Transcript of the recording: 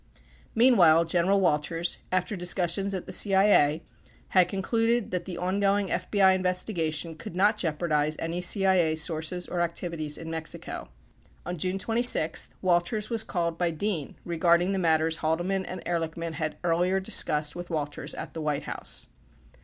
34 Meanwhile, General Walters, after discussions at the CIA, had con cluded that the ongoing FBI investigation could not jeopardize any CIA sources or activities in Mexico. 35 On June 26, Walters was called by Dean regarding the matters Haldeman and Ehrlichman had earlier discussed with Walters at the White House.